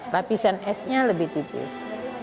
lapisan esnya lebih tipis